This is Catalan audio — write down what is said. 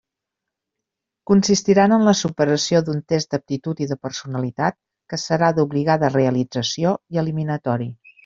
Consistiran en la superació d'un test d'aptitud i de personalitat que serà d'obligada realització i eliminatori.